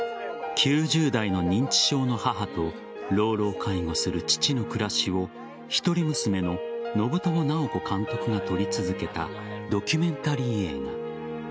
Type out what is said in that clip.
９０代から認知症の母と老老介護する父の暮らしを１人娘の信友直子監督が撮り続けたドキュメンタリー映画。